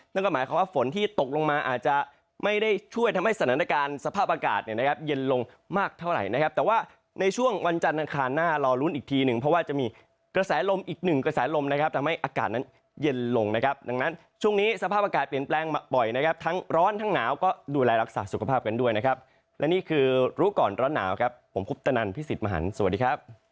นั่นก็หมายความว่าฝนที่ตกลงมาอาจจะไม่ได้ช่วยทำให้สถานการณ์สภาพอากาศเนี่ยนะครับเย็นลงมากเท่าไหร่นะครับแต่ว่าในช่วงวันจันทร์อันคารหน้ารอลุ้นอีกทีหนึ่งเพราะว่าจะมีกระแสลมอีกหนึ่งกระแสลมนะครับทำให้อากาศนั้นเย็นลงนะครับดังนั้นช่วงนี้สภาพอากาศเปลี่ยนแปลงมาบ่อยนะครับทั้ง